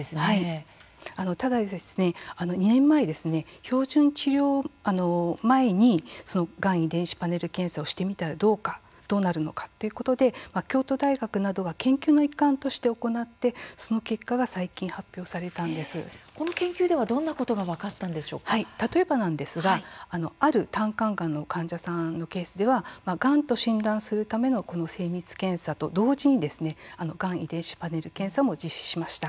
ただ２年前、標準治療前にがん遺伝子パネル検査をしていたらどうなるのかと京都大学などが研究の一環として行ってその結果が最近研究ではどのようなことが例えばある胆管がんのケースではがんと診断するための精密検査と同時にがん遺伝子パネル検査も実施しました。